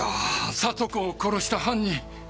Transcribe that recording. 里子を殺した犯人。